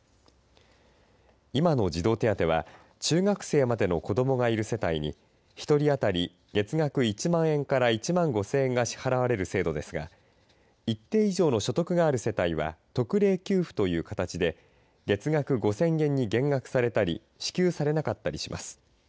今の児童手当は中学生までの子どもがいる世帯に１人当たり月額１万円から１万５０００円が支払われる制度ですが一定以上の所得がある世帯は特例給付という形で月額５０００円に減額されたり支給されなかったりします。